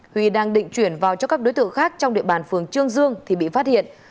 huy đang định chuyển vào cho các đối tượng khác trong địa bàn phường trương dương thì bị phát hiện